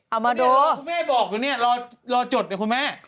เอามาดูคุณแม่บอกอยู่เนี่ยรอจดเนี่ยคุณแม่